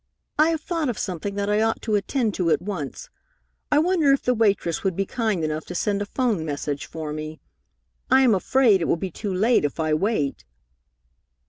I have thought of something that I ought to attend to at once. I wonder if the waitress would be kind enough to send a 'phone message for me. I am afraid it will be too late if I wait."